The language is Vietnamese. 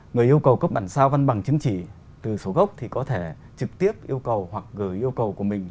người yêu cầu cấp bản sao văn bằng chứng chỉ từ số gốc thì có thể trực tiếp yêu cầu hoặc gửi yêu cầu của mình